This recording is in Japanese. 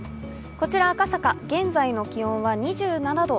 こちら赤坂、現在の気温は２７度。